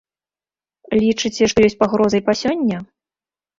Лічыце, што ёсць пагроза і па сёння?